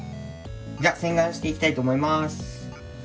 じゃ洗顔していきたいと思います！